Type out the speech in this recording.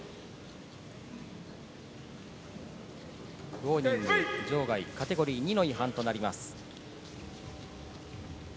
ウォーニング場外カテゴリー２の違反となります。